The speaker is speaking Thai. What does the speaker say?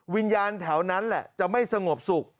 วิญญาณแถวนั้นแหละจะไม่สงบสุข